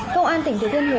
công an tỉnh thừa thiên huế